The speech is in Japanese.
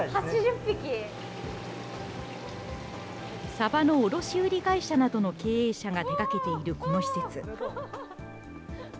サバの卸売り会社などの経営者が手がけているこの施設。